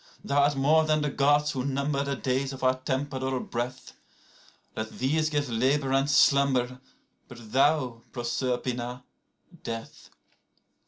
103Thou art more than the Gods who number the days of our temporal breath;104Let these give labour and slumber; but thou, Proserpina, death.